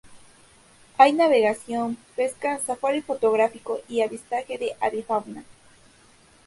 Hay navegación, pesca, safari fotográfico y avistaje de avifauna.